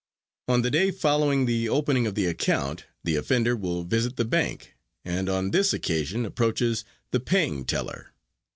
On the day following the opening of the account the offender will visit the bank and on this occasion approaches the paying teller.